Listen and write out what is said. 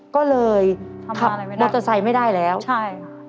ก็เลยถับรถไซส์ไม่ได้แล้วใช่ค่ะทำอะไรไม่ได้